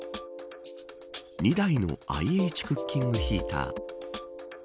２台のＩＨクッキングヒーター。